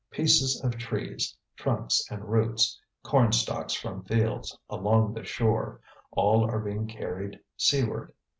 Pieces of trees, trunks and roots, cornstalks from fields along the shore, all are being carried seaward.